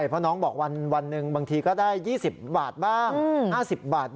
เพราะน้องบอกวันหนึ่งบางทีก็ได้๒๐บาทบ้าง๕๐บาท